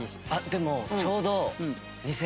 でもちょうど。